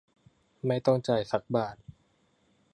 ไม่ต้องจ่ายสักบาท